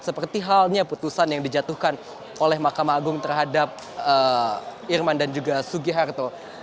seperti halnya putusan yang dijatuhkan oleh makam agung terhadap irman dan juga sugi harto